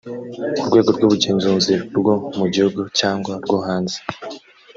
urwego rw ubugenzuzi rwo mu gihugu cyangwa rwo hanze